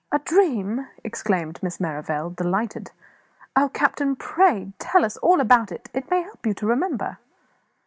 "A dream!" exclaimed Miss Merrivale, delighted. "Oh, captain, pray tell us all about it; it may help you to remember."